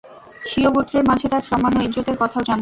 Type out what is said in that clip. স্বীয় গোত্রের মাঝে তার সন্মান ও ইজ্জতের কথাও জানতেন।